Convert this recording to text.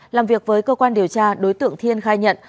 làm việc với cơ quan điều tra đối tượng thiên khai nhận